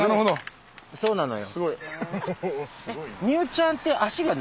そうなのよ。